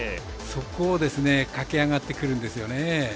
そこを駆け上がってくるんですよね。